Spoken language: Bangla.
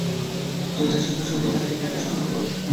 পরবর্তী সেনা সর্বাধিনায়কের নাম ঘোষণা করল ভারত।